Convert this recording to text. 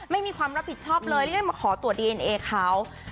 ไม่มีความรับผิดชอบเลยแล้วได้มาขอตรวจดีเอ็นเอเขา